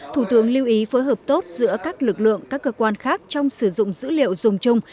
thủ tướng lưu ý phối hợp tốt giữa các lực lượng các cơ quan khác trong sử dụng dữ liệu dùng chung